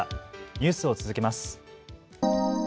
ニュースを続けます。